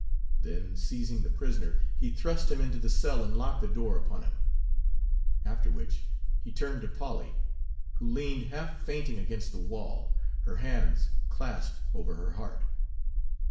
Then seizing the prisoner he thrust him into the cell and locked the door upon him; after which he turned to Polly, who leaned half fainting against the wall, her hands clasped over her heart.